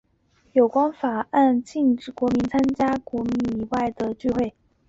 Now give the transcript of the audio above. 有关法案禁止国民参与英国国教以外的聚会。